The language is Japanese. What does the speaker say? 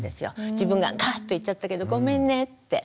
自分がガッて言っちゃったけどごめんねって。